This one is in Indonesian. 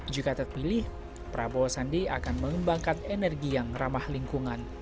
jika terpilih prabowo sandi akan mengembangkan energi yang ramah lingkungan